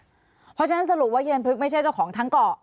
เพราะฉะนั้นสรุปว่าเยันพึกไม่ใช่เจ้าของทั้งเกาะ